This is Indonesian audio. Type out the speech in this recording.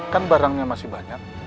kan barangnya masih banyak